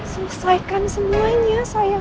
selesaikan semuanya sayang